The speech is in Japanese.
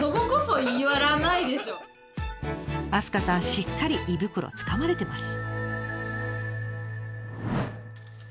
しっかり胃袋つかまれてます。